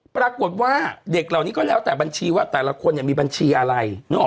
ปรากฏว่าเด็กเหล่านี้ก็แล้วแต่บัญชีว่าแต่ละคนเนี่ยมีบัญชีอะไรนึกออก